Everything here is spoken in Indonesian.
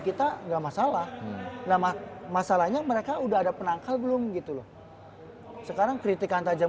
kita enggak masalah nama masalahnya mereka udah ada penangkal belum gitu loh sekarang kritikan tajam